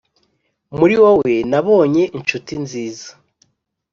muri wowe, nabonye inshuti nziza,